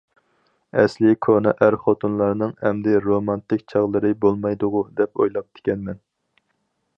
ئەسلى كونا ئەر- خوتۇنلارنىڭ ئەمدى رومانتىك چاغلىرى بولمايدىغۇ، دەپ ئويلاپتىكەنمەن.